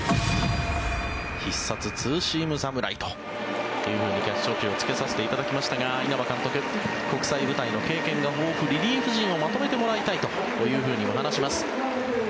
必殺ツーシーム侍というふうにキャッチコピーをつけさせていただきましたが稲葉監督国際舞台の経験が豊富リリーフ陣をまとめてもらいたいと話します。